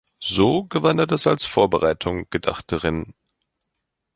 So gewann er das als Vorbereitung gedachte Rennen.